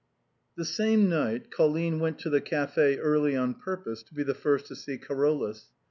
The same night Colline went to the café early on purpose to be the first to see Carolus.